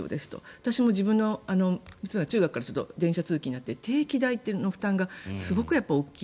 私も自分の娘が中学から電車通勤になって定期代の負担がすごく大きい。